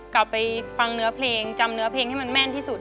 กลับไปฟังเนื้อเพลงจำเนื้อเพลงให้มันแม่นที่สุด